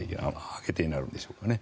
上げて、になるんでしょうかね。